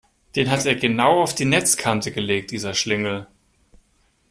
Den hat er genau auf die Netzkante gelegt, dieser Schlingel!